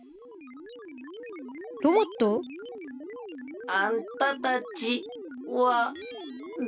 ロボット？あんたたちはだれじゃ？